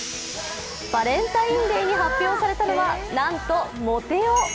バレンタインデーに発表されたのは、はんとモテ男。